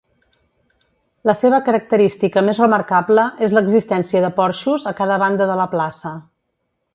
La seva característica més remarcable és l'existència de porxos a cada banda de la plaça.